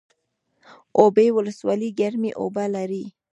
اوبې ولسوالۍ ګرمې اوبه لري؟